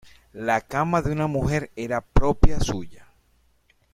La cama de una mujer era propia suya.